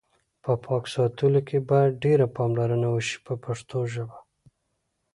په پاک ساتلو کې باید ډېره پاملرنه وشي په پښتو ژبه.